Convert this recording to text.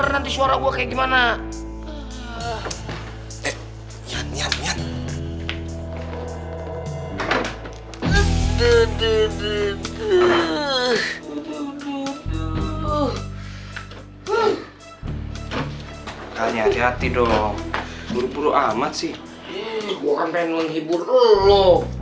hai tuh tanya hati hati dong buru buru amat sih gue pengen menghibur lo